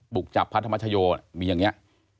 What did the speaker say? บุกจับพระธรรมชโยมีอย่างนี้